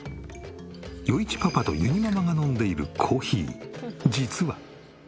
余一パパとゆにママが飲んでいるコーヒー実は。